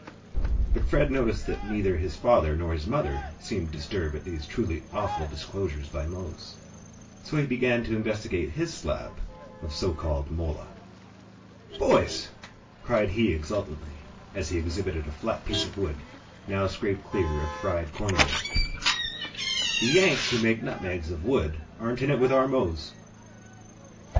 But Fred noticed that neither his father or mother seemed disturbed at these truly awful disclosures by Mose, so he began to investigate his slab of so called mola. "Boys," cried he exultantly, as he exhibited a flat piece of wood, now scraped clear of fried cornmeal, "the Yanks who make nutmegs of wood aren't in it with our Mose!" "Well!